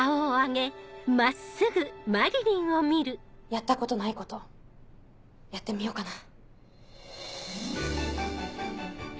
やったことないことやってみようかな。